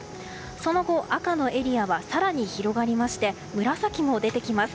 その後、赤のエリアは更に広がりまして紫も出てきます。